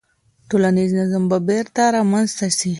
ټولنیز نظم به بیرته رامنځته سي.